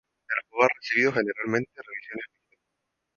El juego ha recibido generalmente revisiones mixtas.